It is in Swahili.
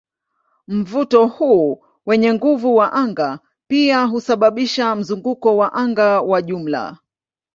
Mvuto huu wenye nguvu wa anga pia husababisha mzunguko wa anga wa jumla.